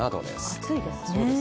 暑いですね。